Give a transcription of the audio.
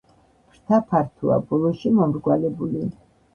ფრთა ფართოა, ბოლოში მომრგვალებული.